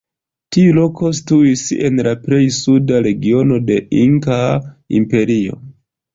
Tiu loko situis en la plej suda regiono de Inkaa imperio.